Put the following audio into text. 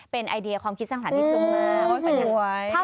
เป็นไอเดียความคิดสร้างฐานที่ถึงมาก